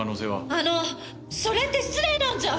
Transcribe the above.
あのそれって失礼なんじゃ！